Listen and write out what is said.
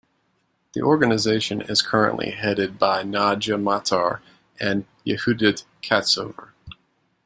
The organization is currently headed by Nadia Matar and Yehudit Katsover.